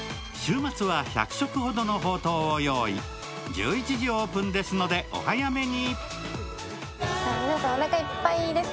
１１時オープンですので、お早めに。